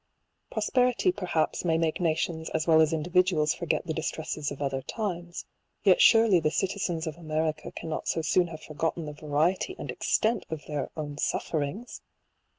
Pros perity perhaps may make nations as well as individuals forget the distresses of other times 3 yet surely the citizens of America cannot so soon have forgotten the variety and extent of their own sufferings